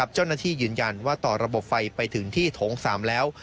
เจ้าหน้าที่ยืนยันว่าต่อระบบไฟไปถึงที่โถง๓แล้ว